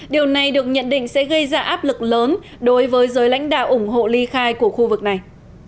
điều này được nhận định sẽ gây ra áp lực lớn đối với giới lãnh đạo ủng hộ ly khai của khu vực này